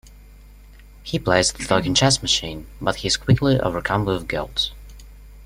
He plays with the talking chess machine but he is quickly overcome with guilt.